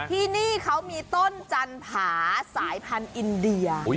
ที่นี่เขามีต้นจันผาสายพันธุ์อินเดีย